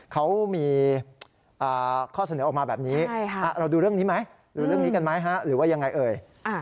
เขามีข้อเสนอออกมาแบบนี้เราดูเรื่องนี้กันไหมหรือว่ายังไงเอ่ย